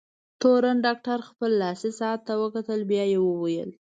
تورن ډاکټر خپل لاسي ساعت ته وکتل، بیا یې وویل: